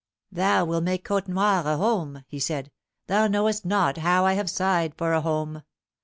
"Thou wilt make Côtenoir a home," he said; "thou knowest not how I have sighed for a home.